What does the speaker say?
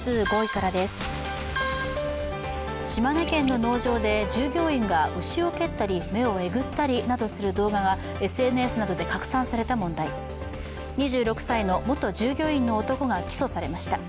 まず５位からです、島根県の農場で従業員が牛を蹴ったり目をえぐったりした動画がＳＮＳで拡散した問題２６歳の元従業員の男が起訴されました。